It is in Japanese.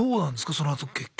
そのあと結局。